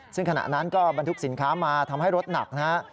ซึ่งขณะนั้นก็บรรทุกสินค้ามาทำให้รถหนักนะฮะ